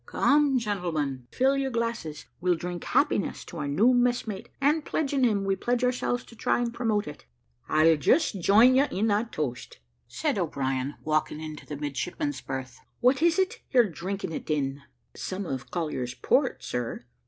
Come, gentlemen, fill your glasses; we'll drink happiness to our new messmate, and pledging him, we pledge ourselves to try to promote it." "I'll just join you in that toast," said O'Brien, walking into the midshipmen's berth. "What is it you're drinking it in?" "Some of Collier's port, sir.